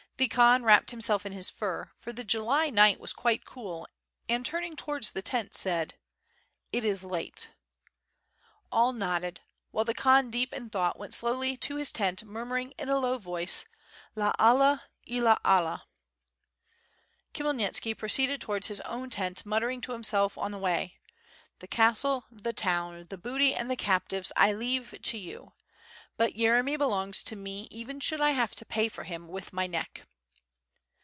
The Khan wrapped himself in his fur, for the July night was quite cool and turning towards the tent said: "It is late ..." All nodded, while the Khan deep in thought went slowly to his tent murmuring in a low voice "La Allah ila Allah." Khmyelnitski proceeded towards his own tent muttering to himself on the way: "The castle, the town, the booty, ana the captives I leave to you; but Yeremy "belongs to me, even should I have to pay for him with my neck."